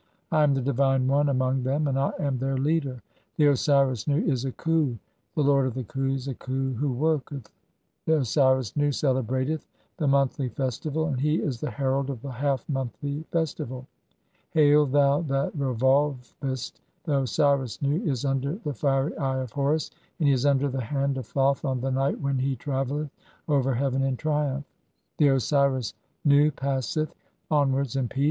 I am the divine One among "them, and [I am] their leader. The Osiris Nu (5) is a Khu, "the lord of the Khus, a Khu [who] worketh. The Osiris Nu "celebrateth the monthly festival and he is the herald of the "half monthly festival. Hail, thou that revolvest, the Osiris Nu "(6) is under the fiery Eye of Horus, and he is under the hand "of Thoth on the night when he travelleth over heaven in "triumph. The Osiris Nu passeth onwards in peace, and he 1.